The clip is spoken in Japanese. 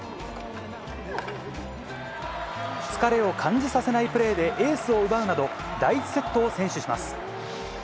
疲れを感じさせないプレーでエースを奪うなど、第１セットを先取します。